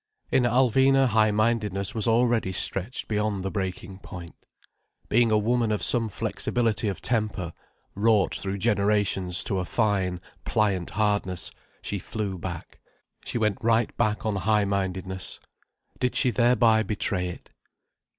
In Alvina high mindedness was already stretched beyond the breaking point. Being a woman of some flexibility of temper, wrought through generations to a fine, pliant hardness, she flew back. She went right back on high mindedness. Did she thereby betray it?